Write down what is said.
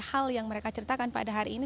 hal yang mereka ceritakan pada hari ini